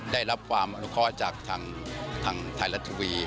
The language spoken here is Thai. ได้รับความอนุคอตจากทางไทยรัตน์ทีวี